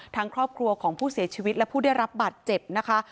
ครอบครัวของผู้เสียชีวิตและผู้ได้รับบาดเจ็บนะคะ